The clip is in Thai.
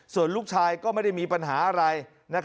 ส่วนลูกชายก็ไม่ได้มีปัญหาอะไร